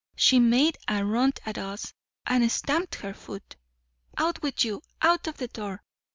She made a run at us, and stamped her foot. 'Out with you—out of the door!